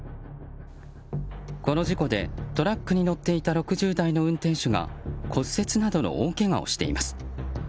この事故でトラックに乗っていた６０代の運転手が骨折などの大けがをしています。